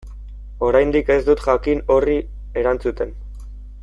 Oraindik ez dut jakin horri erantzuten.